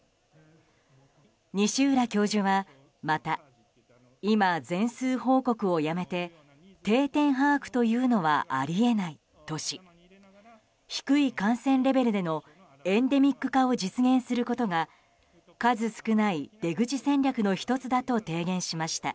西浦教授はまた今、全数報告をやめて定点把握というのはあり得ないとし低い感染レベルでのエンデミック化を実現することが数少ない出口戦略の１つだと提言しました。